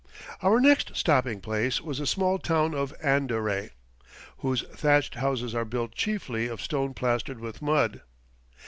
Our next stopping place was the small town of Andaray, whose thatched houses are built chiefly of stone plastered with mud.